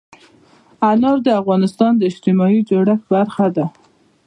انار د افغانستان د اجتماعي جوړښت برخه ده.